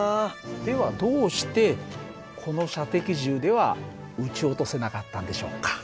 ではどうしてこの射的銃では撃ち落とせなかったんでしょうか？